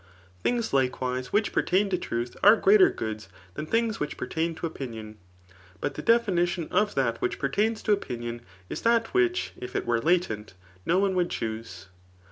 Things, likewise, which pertain to truth are a greater good than things which pertain to opinion. But the definition of that which per* tains to opinion is that which if it were latent no one would chuse.